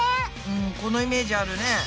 うんこのイメージあるね。